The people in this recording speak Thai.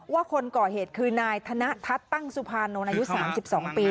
ว่าคนก่อเหตุคือนายธรรมทัตตังสุพารโนอายุ๓๒ปี